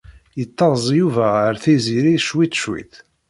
Yettaẓ Yuba ar Tiziri cwiṭ cwiṭ.